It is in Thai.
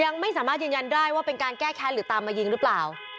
ยังไม่สามารถยืนยันได้ว่าเป็นการแก้แค้นหรือตามมายิงหรือเปล่า